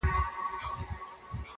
له نیکونو راته پاته بې حسابه زر لرمه.